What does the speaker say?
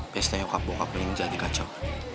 pesnya bokap bokap lo ini jadi kacau